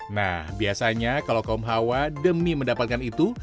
nah biasanya kalau kaum hawa demi mendapatkan itu